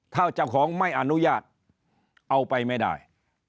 ถ้าเจ้าของไม่อนุญาตเอาไปไม่ได้